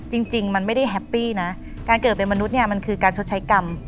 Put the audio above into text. จริงมันไม่ได้แฮปปี้นะการเกิดเป็นมนุษย์เนี่ยมันคือการชดใช้กรรม